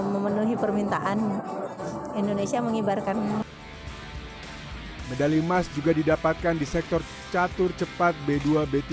memenuhi permintaan indonesia mengibarkan medali emas juga didapatkan di sektor catur cepat b dua b tiga